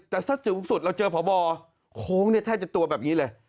แต่ถ้าสูงสุดเราเจอพบโค้งเนี่ยแทบจะตัวแบบนี้เลย